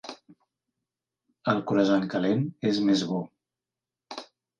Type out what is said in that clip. El croissant calent és més bo.